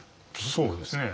そうですね。